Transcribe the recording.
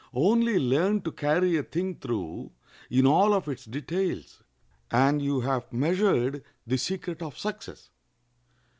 Only learn to carry a thing through in all of its details, and you have measured the secret of success.